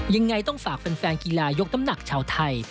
ยังไงต้องฝากแฟนกีฬายกน้ำหนักชาวไทย